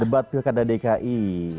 debat pilkada dki